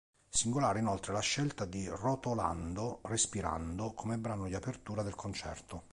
Singolare inoltre la scelta di "Rotolando respirando" come brano di apertura del concerto.